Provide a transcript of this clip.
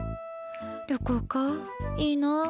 旅行か、いいなあ。